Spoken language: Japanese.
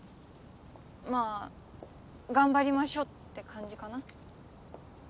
まあ頑張りましょうって感じかな